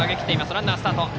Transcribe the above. ランナー、スタート！